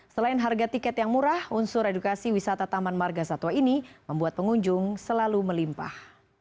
selain harga tiket yang murah unsur edukasi wisata taman marga satwa ini membuat pengunjung selalu melimpah